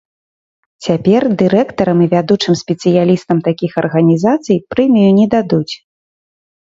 Цяпер дырэктарам і вядучым спецыялістам такіх арганізацыі прэмію не дадуць.